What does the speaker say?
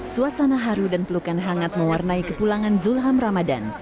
suasana haru dan pelukan hangat mewarnai kepulangan zulham ramadan